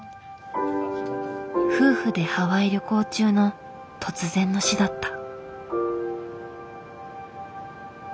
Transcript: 夫婦でハワイ旅行中の突然の死だった。